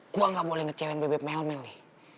gue gak boleh ngecewain bebep melmel nih